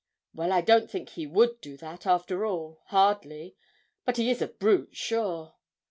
'Well, I don't think he would do that, after all hardly; but he is a brute, sure!'